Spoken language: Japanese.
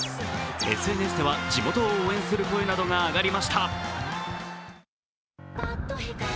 ＳＮＳでは地元を応援する声などが上がりました。